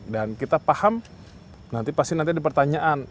dan kita paham nanti pasti nanti ada pertanyaan